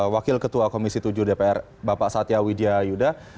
wakil ketua komisi tujuh dpr bapak satya widya yuda